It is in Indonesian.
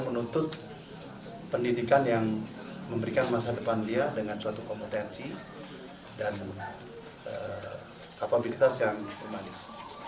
menuntut pendidikan yang memberikan masa depan dia dengan suatu kompetensi dan kapabilitas yang humanis